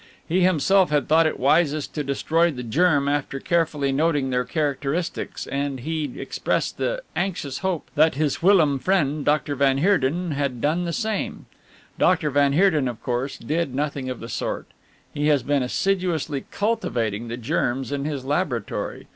He himself had thought it wisest to destroy the germ after carefully noting their characteristics, and he expressed the anxious hope that his whilom friend, van Heerden, had done the same. Van Heerden, of course, did nothing of the sort. He has been assiduously cultivating the germs in his laboratory.